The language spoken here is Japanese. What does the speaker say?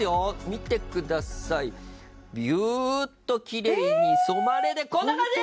見てくださいびゅーっときれいに染まれでこんな感じ！